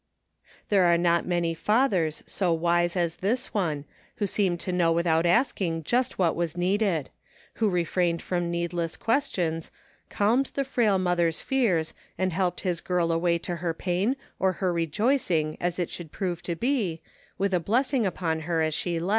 There are not many fathers so wise as this one, who seemed to know without asking just what was needed ; who refrained from needless questions, calmed the frail mother's fears, and helped his girl away to her pain or her rejoicing as it should prove to be, with a blessing upon her as she left.